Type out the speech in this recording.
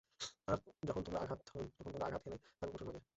আর যখন তোমরা আঘাত হান, তখন তোমরা আঘাত হেনে থাক কঠোরভাবে।